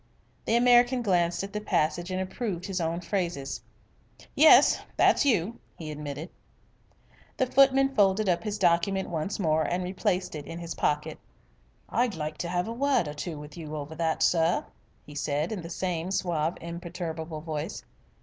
The American glanced at the passage and approved his own phrases. "Yes, that's you," he admitted. The footman folded up his document once more and replaced it in his pocket. "I'd like to 'ave a word or two with you over that, sir," he said in the same suave imperturbable voice.